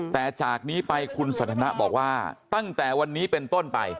แต่จากนี้ไปคุณสันทนะบอกว่าตั้งแต่วันนี้เป็นต้นไป